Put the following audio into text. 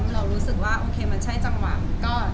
เรารู้สึกว่าโอเคมันใช่จังหวะ